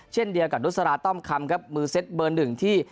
เช่นเดียวกับนุษราต้อมคำครับมือเซ็ตเบอร์หนึ่งที่